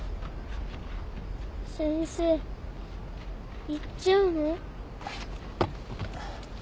先生行っちゃうの？